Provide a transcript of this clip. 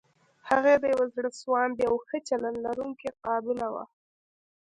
هغې د يوې زړه سواندې او ښه چلند لرونکې قابله وه.